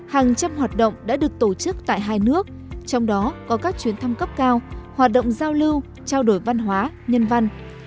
hàng trăm hoạt động đã được tổ chức tại hai nước trong đó có các chuyến thăm cấp cao hoạt động giao lưu trao đổi văn hóa nhân văn